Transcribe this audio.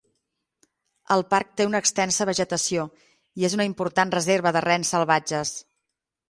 El parc té una extensa vegetació i és una important reserva de rens salvatges.